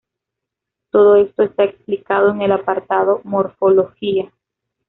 Todo esto está explicado en el apartado "Morfología".